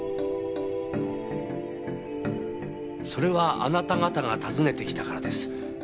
それはあなた方が訪ねて来たからです。